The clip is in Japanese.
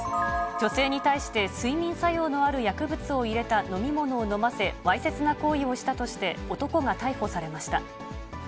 女性に対して睡眠作用のある薬物を入れた飲み物を飲ませ、わいせつな行為をしたとして、男が逮捕されました。